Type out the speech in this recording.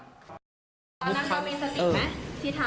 ตอนนั้นเขามีสติไหมที่ทำ